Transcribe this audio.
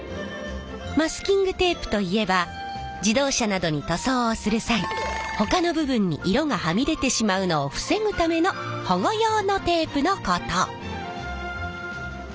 マスキングテープといえば自動車などに塗装をする際ほかの部分に色がはみ出てしまうのを防ぐための保護用のテープのこと。